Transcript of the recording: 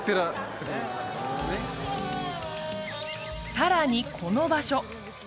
さらにこの場所